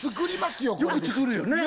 よく作るよね！ね！